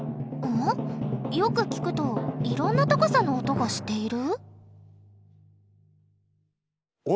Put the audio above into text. よく聴くといろんな高さの音がしている？